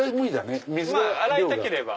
洗いたければ。